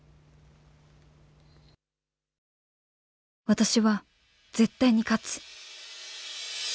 私は絶対に勝つ。